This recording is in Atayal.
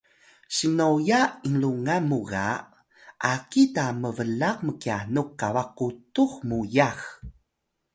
sinnoya inlungan mu ga aki ta mblaq mqyanux qabax qutux muyax